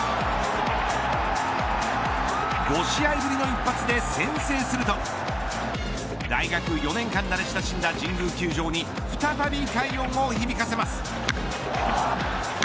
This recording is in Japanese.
５試合ぶりの一発で先制すると大学４年間慣れ親しんだ神宮球場に再び快音を響かせます。